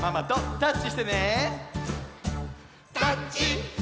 「タッチ！」